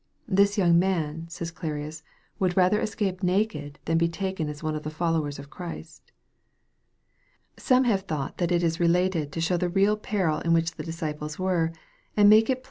" This young man," says Clarius, " would rather escape naked than be taken as one of the folio wero of Christ." Some have thought that it is related to shov< the real peril in 326 EXPOSITORY THOUGHTS. MAEK XIV. 5865.